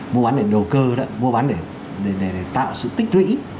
mua bán để đồ cơ mua bán để tạo sự tích lũy